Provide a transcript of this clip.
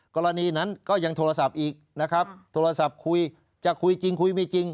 กรณีนั้นก็ยังโทรศัพท์อีกนะครับโทรศัพท์คุยจะคุยจริงคุยไม่จริง